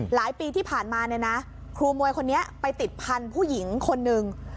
หลายปีที่ผ่านมาเนี่ยนะครูมวยคนนี้ไปติดพันธุ์ผู้หญิงคนหนึ่ง